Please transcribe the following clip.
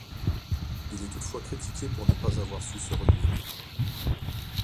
Il est toutefois critiqué pour ne pas avoir su se renouveler.